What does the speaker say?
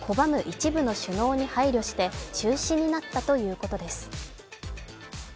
一部の首脳に配慮して中止になったということです。